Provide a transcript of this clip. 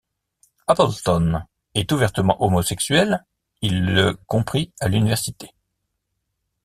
Appleton est ouvertement homosexuel, il le comprit à l'université.